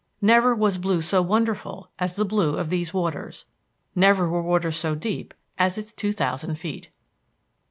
Never was blue so wonderful as the blue of these waters; never were waters so deep as its two thousand feet.